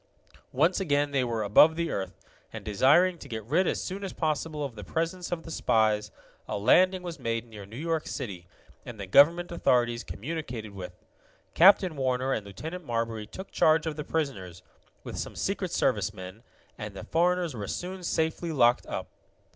Once again they were above the earth, and, desiring to get rid as soon as possible of the presence of the spies, a landing was made near New York City, and the government authorities communicated with. Captain Warner and Lieutenant Marbury took charge of the prisoners, with some Secret Service men, and the foreigners were soon safely locked up.